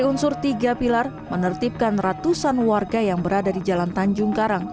unsur tiga pilar menertibkan ratusan warga yang berada di jalan tanjung karang